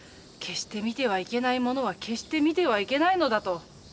決して見てはいけないものは決して見てはいけないのだと。